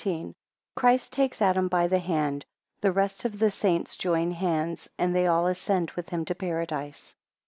1 Christ takes Adam by the hand, the rest of the saints join hands, and they all ascend with him to Paradise.